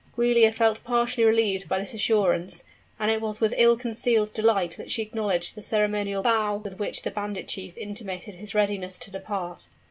Giulia felt partially relieved by this assurance: and it was with ill concealed delight that she acknowledged the ceremonial bow with which the bandit chief intimated his readiness to depart.